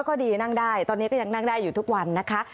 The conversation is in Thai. ก็ดีนั่งได้ตอนนี้ก็ยังนั่งได้อยู่ทุกวันนะคะ